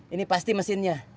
ini pasti mesinnya